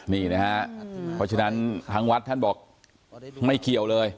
นี่นะฮะเพราะฉะนั้นทางวัดท่านบอกไม่เกี่ยวเลย